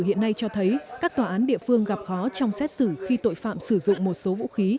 hiện nay cho thấy các tòa án địa phương gặp khó trong xét xử khi tội phạm sử dụng một số vũ khí